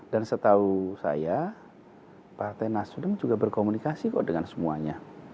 dan setahu saya partai nasdem juga berkomunikasi kok dengan semuanya